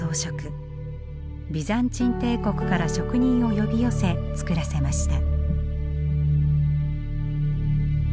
ビザンチン帝国から職人を呼び寄せ作らせました。